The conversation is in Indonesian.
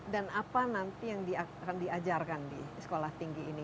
dan apa nanti yang akan diajarkan di sekolah tinggi ini